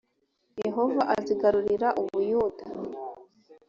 yehova azigarurira u buyuda